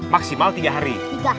maksimal tiga hari